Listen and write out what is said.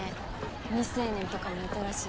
未成年とかもいたらしい。